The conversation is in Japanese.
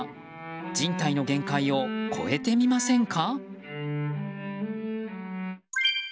人体の限界を超えてみませんか。